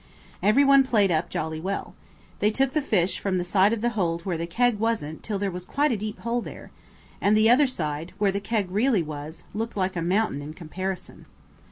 Every one played up jolly well. They took the fish from the side of the hold where the keg wasn't till there was quite a deep hole there, and the other side, where the keg really was, looked like a mountain in comparison.